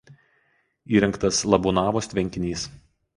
Įrengtas Labūnavos tvenkinys.